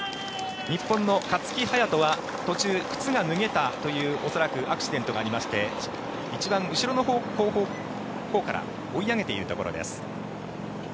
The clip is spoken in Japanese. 日本の勝木隼人は途中、靴が脱げたという恐らくアクシデントがありまして一番後方から追い上げているところです。